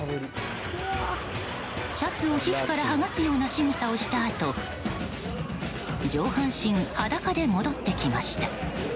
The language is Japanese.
シャツを皮膚からはがすようなしぐさをしたあと上半身裸で戻ってきました。